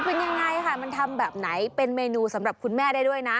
เป็นยังไงค่ะมันทำแบบไหนเป็นเมนูสำหรับคุณแม่ได้ด้วยนะ